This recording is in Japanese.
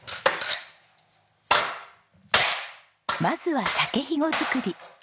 まずは竹ひご作り。